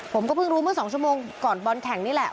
ผมก็เพิ่งรู้เมื่อ๒ชั่วโมงก่อนบอลแข่งนี่แหละ